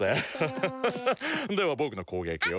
ハハハハではぼくのこうげきを。